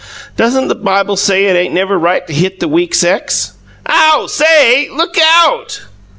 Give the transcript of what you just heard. "Doesn't the Bible say it ain't never right to hit the weak sex?" "Ow! SAY, look OUT!"